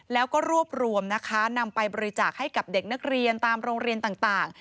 แล้วก็รวบรวมนะคะนำไปบริจาคให้กับเด็กนักเรียนตามโรงเรียนต่าง